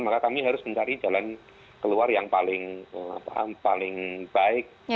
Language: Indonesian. maka kami harus mencari jalan keluar yang paling baik